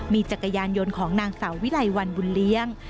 มีจักรยานยนต์ของนางสาววิไลวันบุญเลี้ยง